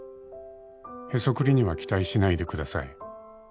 「へそくりには期待しないでください」